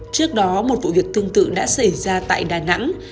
trước đó một vụ việc tương tự đã xảy ra tại đà nẵng